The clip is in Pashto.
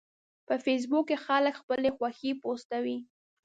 په فېسبوک کې خلک خپلې خوښې پوسټوي